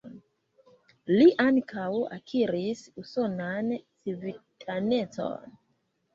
Li ankaŭ akiris usonan civitanecon.